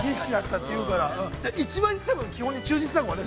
一番基本に、充実だもんね。